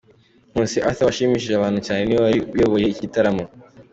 Nkusi Arthur washimishije abantu cyane niwe wari uyoboye iki gitaramo.